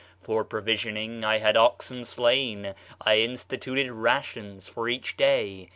For [provisioning] I had oxen slain; I instituted [rations] for each day.